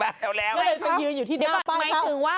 ก็เลยจะยืนอยู่ที่ได้ป้ายช่วงว่า